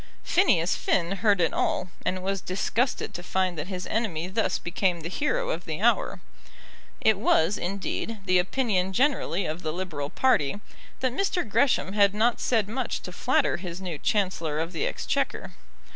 Phineas Finn heard it all, and was disgusted to find that his enemy thus became the hero of the hour. It was, indeed, the opinion generally of the Liberal party that Mr. Gresham had not said much to flatter his new Chancellor of the Exchequer.